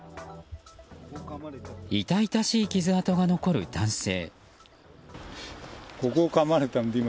痛々しい傷痕が残る男性。